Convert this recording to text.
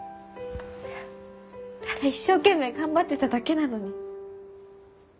ただ一生懸命頑張ってただけなのに。